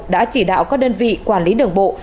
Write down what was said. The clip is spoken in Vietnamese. đã chỉ đạo các đơn vị quản lý đường bộ